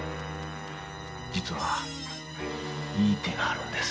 実はいい手があるんです。